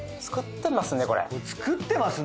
作ってますね。